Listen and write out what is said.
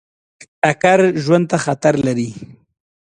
ټکر ژوند ته خطر لري.